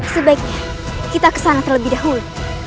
sebaiknya kita ke sana terlebih dahulu